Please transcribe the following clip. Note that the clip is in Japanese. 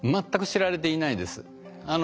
全く知られていないです。